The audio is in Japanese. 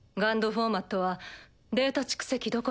フォーマットはデータ蓄積どころか